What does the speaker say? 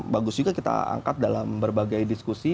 bagus juga kita angkat dalam berbagai diskusi